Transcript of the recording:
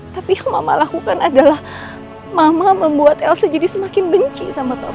tapi yang mama lakukan adalah mama membuat elsa jadi semakin benci sama mama